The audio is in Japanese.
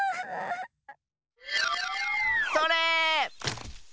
それ！